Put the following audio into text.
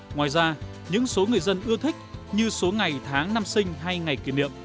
ngoài ra những số người dân ưa thích như số ngày tháng năm sinh hay ngày kỷ niệm